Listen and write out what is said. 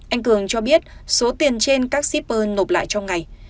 anh cường cho biết số tiền trên các shipper nộp lại trong ngày